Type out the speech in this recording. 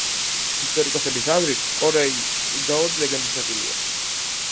ისტორიკოსების აზრით კორეი უდაოდ ლეგენდის ნაწილია.